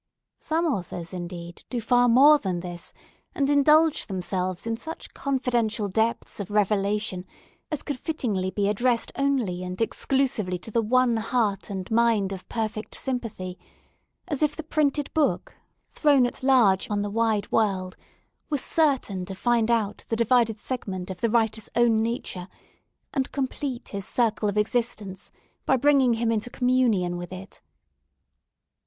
Some authors, indeed, do far more than this, and indulge themselves in such confidential depths of revelation as could fittingly be addressed only and exclusively to the one heart and mind of perfect sympathy; as if the printed book, thrown at large on the wide world, were certain to find out the divided segment of the writer's own nature, and complete his circle of existence by bringing him into communion with it.